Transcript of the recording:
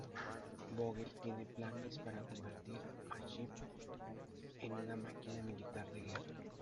Vogel tiene planes para convertir a Chip en una máquina militar de guerra.